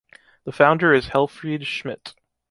The founder is Helfried Schmidt.